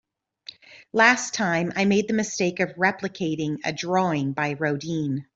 Last time, I made the mistake of replicating a drawing by Rodin.